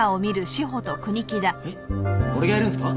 えっ俺がやるんですか？